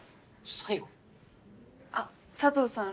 最後？あっ佐藤さん